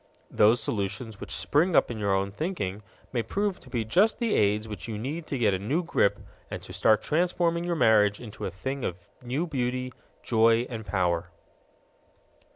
Those solutions which spring up in your own thinking may prove to be just the aids which you need to get a new grip and to start transforming your marriage into a thing of new beauty, joy, and power.